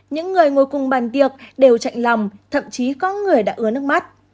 những người ngồi cùng bàn tiệc đều chạnh lòng thậm chí có người đã ướt nước mắt